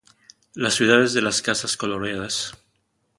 Las ciudad de las casas coloreadas.